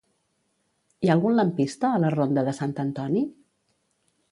Hi ha algun lampista a la ronda de Sant Antoni?